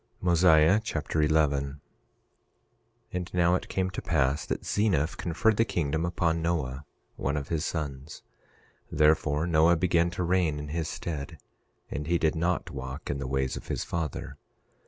Mosiah Chapter 11 11:1 And now it came to pass that Zeniff conferred the kingdom upon Noah, one of his sons; therefore Noah began to reign in his stead; and he did not walk in the ways of his father.